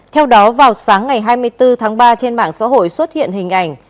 theo đó vào sáng ngày hai mươi bốn tháng ba trên mạng xã hội xuất hiện hình ảnh